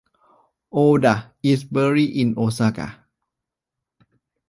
Oda is buried in Osaka.